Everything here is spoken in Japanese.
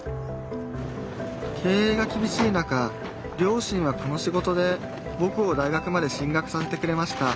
経営がきびしい中両親はこの仕事でぼくを大学まで進学させてくれました